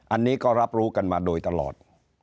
อันนี้ก็รับรู้กันมาโดยตลอด